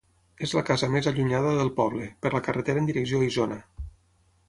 És la casa més allunyada del poble, per la carretera en direcció a Isona.